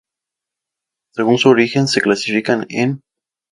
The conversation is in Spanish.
Según su origen, se clasifican en